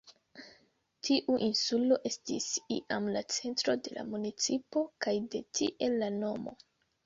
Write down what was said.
Tiu insulo estis iam la centro de la municipo, kaj de tie la nomo.